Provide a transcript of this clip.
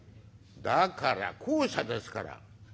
「だから公社ですから。